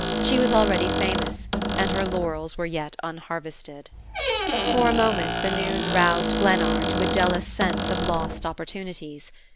She was already famous and her laurels were yet unharvested. For a moment the news roused Glennard to a jealous sense of lost opportunities.